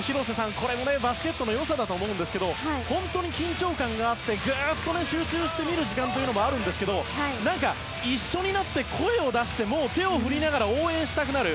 これもバスケットの良さだと思いますが本当に緊張感があってグッと集中して見る時間もあるんですが何か一緒になって声を出して手を振りながら応援したくなる。